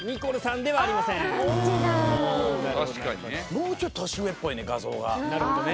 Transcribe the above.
もうちょっと年上っぽいねん画像が。